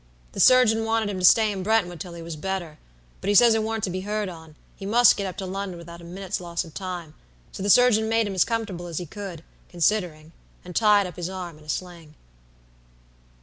The surgeon wanted him to stay in Brentwood till he was better, but he said it warn't to be heard on, he must get up to London without a minute's loss of time; so the surgeon made him as comfortable as he could, considering and tied up his arm in a sling."